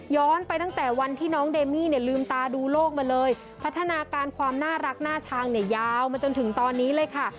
ไปตั้งแต่วันที่น้องเดมี่เนี่ยลืมตาดูโลกมาเลยพัฒนาการความน่ารักหน้าช้างเนี่ยยาวมาจนถึงตอนนี้เลยค่ะ